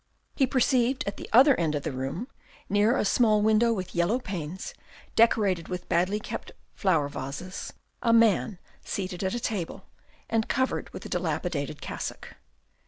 He perceived at the other end of the room, near a small window with yellow panes decorated with badly kept flower vases, a man seated at a table, and covered with a dilapidated cassock.